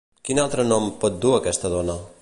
Quin altre nom pot dur aquesta dona?